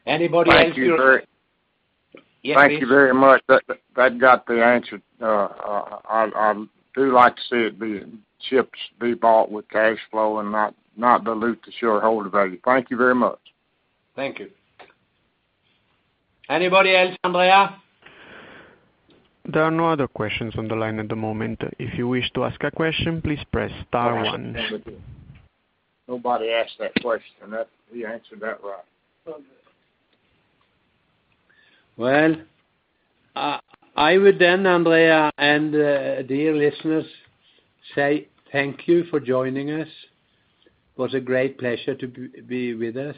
Anybody else here? Thank you very much. That got the answer. I do like to see the ships be bought with cash flow and not dilute the shareholder value. Thank you very much. Thank you. Anybody else, Andrea? There are no other questions on the line at the moment. If you wish to ask a question, please press star one. Nobody asked that question. You answered that right. Well, I would, Andrea and dear listeners, say thank you for joining us. It was a great pleasure to be with us.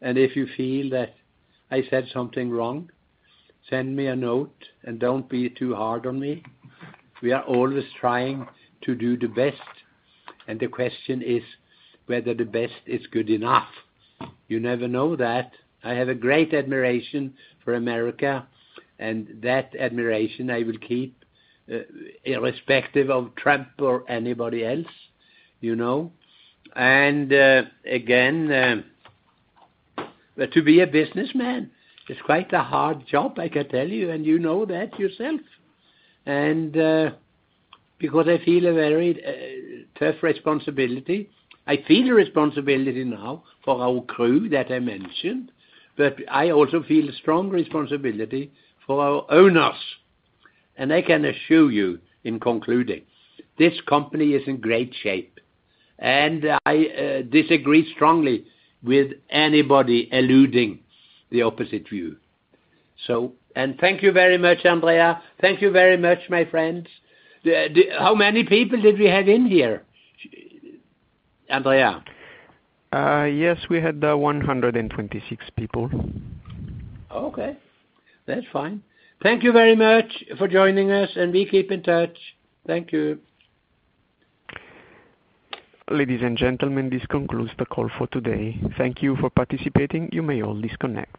If you feel that I said something wrong, send me a note and don't be too hard on me. We are always trying to do the best, and the question is whether the best is good enough. You never know that. I have a great admiration for America, and that admiration I will keep irrespective of Trump or anybody else. Again, to be a businessman is quite a hard job, I can tell you, and you know that yourself. Because I feel a very tough responsibility, I feel a responsibility now for our crew that I mentioned, but I also feel a strong responsibility for our owners. I can assure you in concluding, this company is in great shape, and I disagree strongly with anybody alluding the opposite view. Thank you very much, Andrea. Thank you very much, my friends. How many people did we have in here, Andrea? Yes, we had 126 people. Okay, that's fine. Thank you very much for joining us, and we keep in touch. Thank you. Ladies and gentlemen, this concludes the call for today. Thank you for participating. You may all disconnect.